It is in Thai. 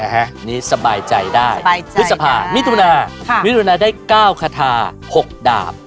อันนี้สบายใจได้พฤษภามิถุนายมิถุนาได้๙คาทา๖ดาบ